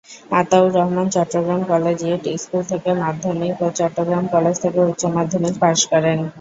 Ataur Rahman Chittagong collegiate school থেকে মাধ্যমিক এবং চট্টগ্রাম কলেজ থেকে উচ্চ মাধ্যমিক পাস করেন।